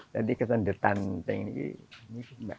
jadi kesendirian ini